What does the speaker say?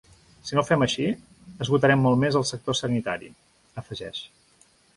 “Si no ho fem així, esgotarem molt més el sector sanitari”, afegeix.